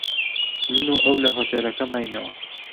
من و ئەو لە هۆتێلەکە ماینەوە.